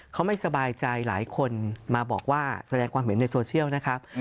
เขาไม่สบายใจหลายคนมาบอกว่าในโซเชียลนะครับ